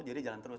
jadi jalan terus